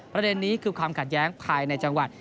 ประเด็นนี้คือความขัดแย้งภายในจังหวัด